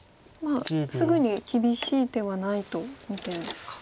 すぐに厳しい手はないと見てるんですか。